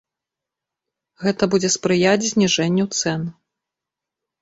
Гэта будзе спрыяць зніжэнню цэн.